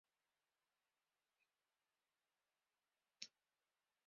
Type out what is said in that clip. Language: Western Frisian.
Hoe binne jo hjir kommen, mei de auto of mei de trein?